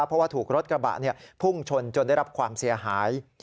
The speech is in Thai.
เพราะว่าถูกรถกระบะพุ่งชนจนได้รับความเสียหาย